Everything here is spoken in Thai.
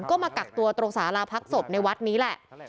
ก็มากักตัวตรงสาราพักศพในวัดนี้แหละ